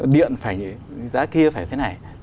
điện phải như giá kia phải thế này